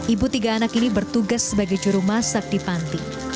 ibu tiga anak ini bertugas sebagai juru masak di panti